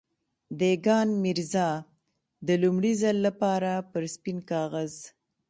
دېګان ميرزا د لومړي ځل لپاره پر سپين کاغذ.